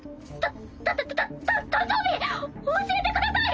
たたたた誕生日教えてください！